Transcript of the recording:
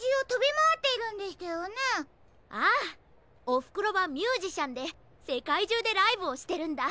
おふくろはミュージシャンでせかいじゅうでライブをしてるんだ。